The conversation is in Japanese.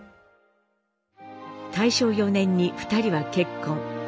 大正４年に２人は結婚。